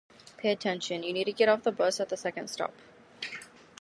Pay attention, you need to get off the bus at the second stop.